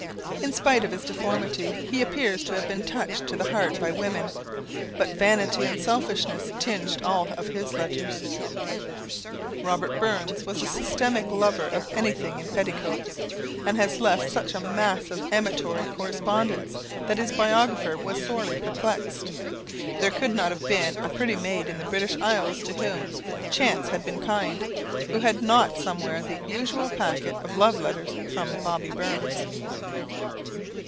In spite of his deformity, he appears to have been touched to the heart by women, but vanity and selfishness tinged all of his letters. [Sidenote: Systematic Lovers] Robert Burns was a systematic lover of anything in petticoats, and has left such a mass of amatory correspondence that his biographer was sorely perplexed. There could not have been a pretty maid in the British Isles, to whom chance had been kind, who had not somewhere the usual packet of love letters from "Bobby" Burns.